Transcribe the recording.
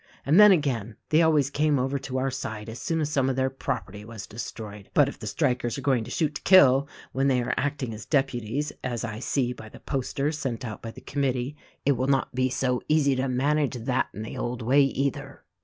And then again, they always came over to our side as soon as some of their property was destroyed; but, if the strikers are going to shoot to kill when they are act ing as deputies — as I see by the posters sent out by the committee — it will not be so easy to manage that in the old way either."